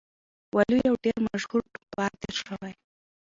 وَلُو يو ډير مشهور ټوکپار تير شوی